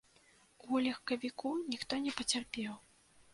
У легкавіку ніхто не пацярпеў.